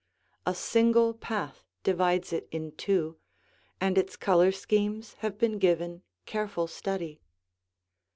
A single path divides it in two, and its color schemes have been given careful study.